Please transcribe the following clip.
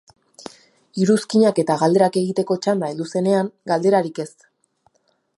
Iruzkinak eta galderak egiteko txanda heldu zenean, galderarik ez.